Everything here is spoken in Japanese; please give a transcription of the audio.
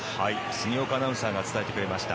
杉岡アナウンサーが伝えてくれました。